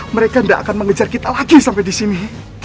mereka gak akan mengejar kita lagi sampai disini